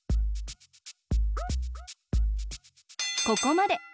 ここまで！